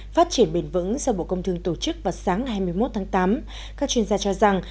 phát triển bền vững do bộ công thương tổ chức vào sáng hai mươi một tháng tám các chuyên gia cho rằng